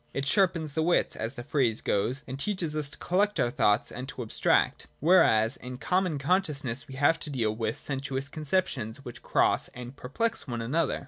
It sharpens the wits, as the phrase goes, and teaches us to collect our thoughts and to abstract — whereas in common consciousness we have to deal with sensuous conceptions which cross and perplex one another.